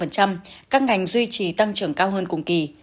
các ngành duy trì tăng trưởng cao hơn cùng kỳ